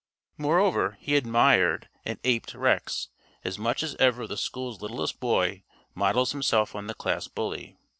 Moreover, he admired and aped Rex, as much as ever the school's littlest boy models himself on the class bully.